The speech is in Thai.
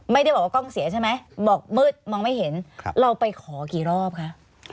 ไม่ได้บอกว่ากล้องเสียใช่ไหมบอกมืดมองไม่เห็นเราไปขอกี่รอบคะ